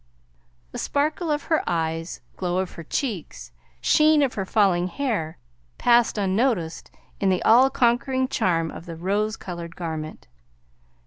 The sparkle of her eyes, glow of her cheeks, sheen of her falling hair, passed unnoticed in the all conquering charm of the rose colored garment.